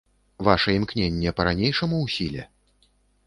Ваша імкненне па-ранейшаму ў сіле?